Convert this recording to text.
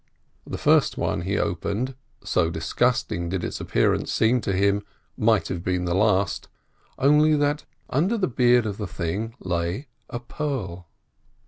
The first one he opened, so disgusting did its appearance seem to him, might have been the last, only that under the beard of the thing lay a pearl.